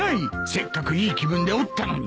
せっかくいい気分でおったのに。